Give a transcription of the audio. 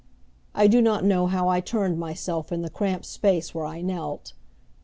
I do not know how I turned myself in the cramped space where I knelt.